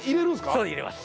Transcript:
そう入れます。